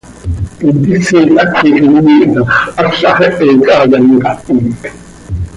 Intisil haquix immiih tax ¿áz haxehe chaaya ntahit?